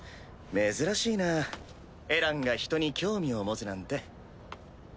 珍しいなエランが人に興味を持つなんて。